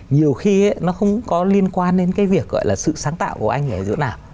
nhiều khi nó không có liên quan đến cái việc gọi là sự sáng tạo của anh ở giữa nào